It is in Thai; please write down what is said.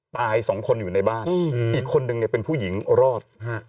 ตาย๒คนอยู่ในบ้านอีกคนหนึ่งเป็นผู้หญิงรอด